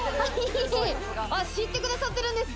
知ってくださってるんですか？